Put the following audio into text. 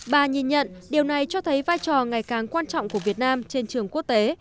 bà nhìn nhận điều này cho thấy vai trò ngày càng quan trọng của việt nam trên trường quốc tế